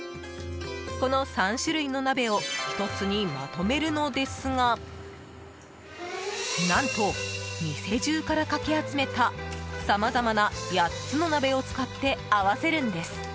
この３種類の鍋を１つにまとめるのですが何と、店中からかき集めたさまざまな８つの鍋を使って合わせるんです。